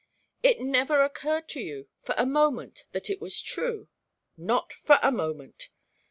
"It never occurred to you for a moment that it was true?" "Not for a moment."